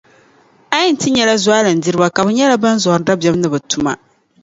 A yɛn ti nyɛla zualindiriba ka bɛ nyɛla ban zɔri dabiεm ni bɛ tuma.